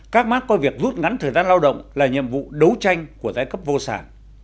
các mart coi việc rút ngắn thời gian lao động là nhiệm vụ đấu tranh của giai cấp vô sản